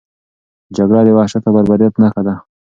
جګړه د وحشت او بربریت نښه ده.